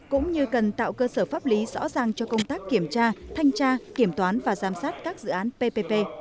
cũng như cần tạo cơ sở pháp lý rõ ràng cho công tác kiểm tra thanh tra kiểm toán và giám sát các dự án ppp